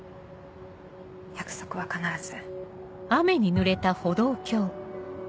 約束は必ず。